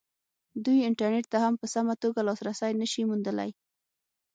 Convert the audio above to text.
دوی انټرنېټ ته هم په سمه توګه لاسرسی نه شي موندلی.